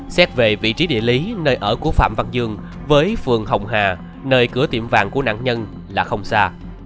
xét về vị trí địa lý nơi ở của phạm văn dương với phường hồng hà nơi cửa tiệm vàng của nạn nhân là không xa